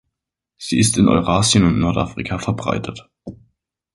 Sie ist in Eurasien und Nordafrika verbreitet.